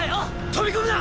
飛び込むな！